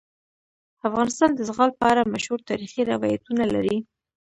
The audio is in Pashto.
افغانستان د زغال په اړه مشهور تاریخی روایتونه لري.